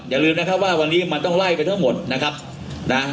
อย่าลืมนะครับว่าวันนี้มันต้องไล่ไปทั้งหมดนะครับนะ